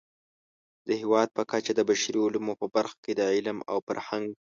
د هېواد په کچه د بشري علومو په برخه کې د علم او فرهنګ